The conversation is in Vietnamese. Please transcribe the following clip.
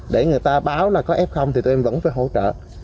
để người ta báo là có f thì tụi em vẫn phải hỗ trợ